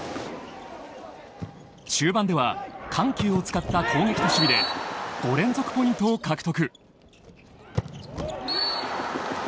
中盤では緩急を使った攻撃と守備で５連続ポイントを獲得。